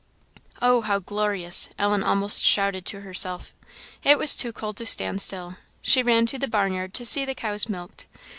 "Oh, how glorious!" Ellen almost shouted to herself. It was too cold to stand still; she ran to the barnyard to see the cows milked.